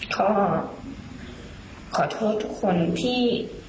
ก็ขอโทษทุกคนที่